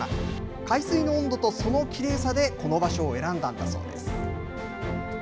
海水の温度とそのきれいさでこの場所を選んだんだそうです。